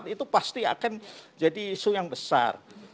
itu pasti akan jadi isu yang besar